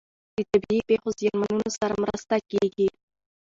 د طبیعي پیښو زیانمنو سره مرسته کیږي.